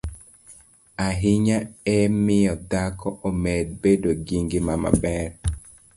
ahinya e miyo dhako omed bedo gi ngima maber,